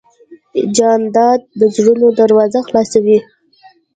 جانداد د زړونو دروازه خلاصوي.